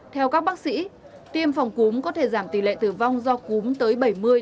theo các bác sĩ tiêm phòng cúm có thể giảm tỷ lệ tử vong do cúm tới bảy mươi năm mươi